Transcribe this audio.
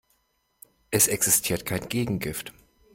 Es existiert kein Gegengift.